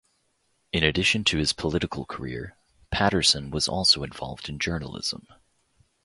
In addition to his political career, Patterson was also involved in journalism.